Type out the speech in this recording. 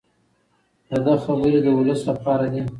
د ده خبرې د ولس لپاره دي.